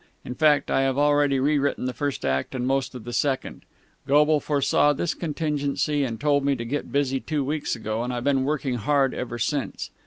In fact, I have already rewritten the first act and most of the second. Goble foresaw this contingency and told me to get busy two weeks ago, and I've been working hard ever since.